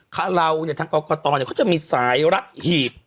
ข้าวเราเนี่ยทางกรกตอนเนี่ยเขาจะมีสายรักหีบ